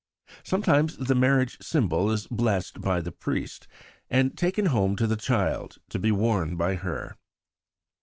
Sometimes the marriage symbol is blessed by the priest, and taken home to the child to be worn by her.